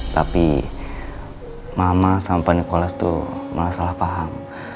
tapi mama sama pak nikolas itu malah salah paham